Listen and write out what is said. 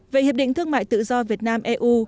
về hiệp định thương mại tự do việt nam eu